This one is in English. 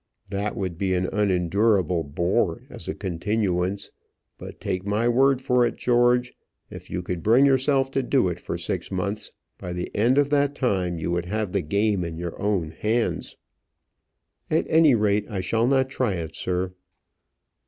"That would be an unendurable bore as a continuance; but take my word for it, George, if you could bring yourself to do it for six months, by the end of that time you would have the game in your own hands." "At any rate, I shall not try it, sir."